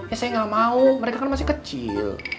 ya saya nggak mau mereka kan masih kecil